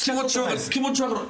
気持ちはわかる。